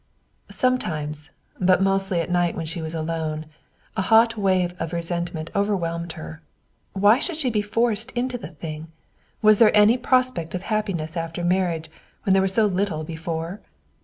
Sometimes, but mostly at night when she was alone, a hot wave of resentment overwhelmed her. Why should she be forced into the thing? Was there any prospect of happiness after marriage when there was so little before?